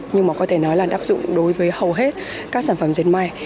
nhưng mà có thể nói là áp dụng đối với hầu hết các sản phẩm diệt may